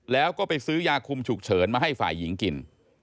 แล้วก็ไปซื้อยาคุมฉุกเฉินมาให้ฝ่ายหญิงกิน